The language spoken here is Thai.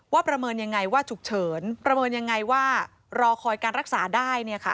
ประเมินยังไงว่าฉุกเฉินประเมินยังไงว่ารอคอยการรักษาได้